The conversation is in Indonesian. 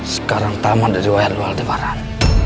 sekarang tamat dari wayang luwal depan